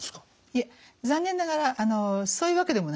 いえ残念ながらあのそういうわけでもないんですね。